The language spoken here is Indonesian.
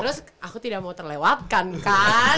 terus aku tidak mau terlewatkan kan